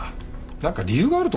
何か理由があると。